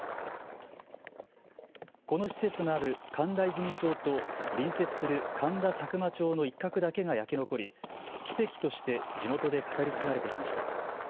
この施設のある神田和泉町と隣接する神田佐久間町の一角だけが焼け残り奇跡として地元で語り継がれてきました。